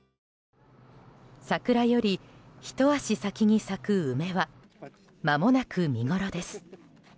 桜よりひと足先に咲く梅はまもなく見ごろです。